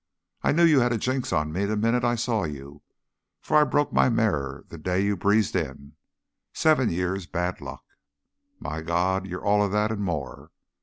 I knew you had a jinx on me the minute I saw you, for I broke my mirror the day you breezed in. Seven years bad luck? My God, you're all of that and more!